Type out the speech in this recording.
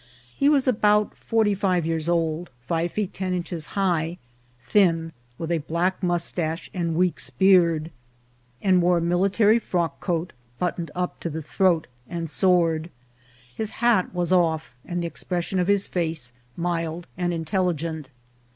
He was about forty five years old, five feet ten inches high, thin, with a black mustache and week's beard, and VOL. II.— M 90 INCIDENTS OF TRAVEL wore a military frock coat, buttoned up to the throat, and sword. His hat was off, and the expression of his face mild and intelligent.